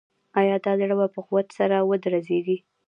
آیا دا زړه به په قوت سره ودرزیږي؟